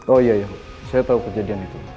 oh iya ya saya tahu kejadian itu